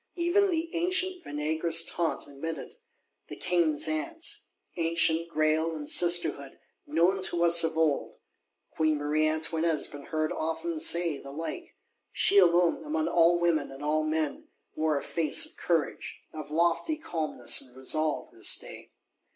Even the ancient vinaigrous Tantes admit it; the King's Aunts, ancient Graille and Sisterhood, known to us of old. Queen Marie Antoinette has been heard often say the like. She alone, among all women and all men, wore a face of courage, of lofty calmness and resolve, this day.